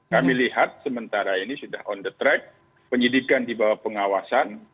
kami lihat sementara ini sudah on the track penyidikan dibawah pengawasan